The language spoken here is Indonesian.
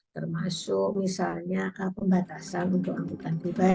termasuk misalnya pembatasan untuk angkutan pribadi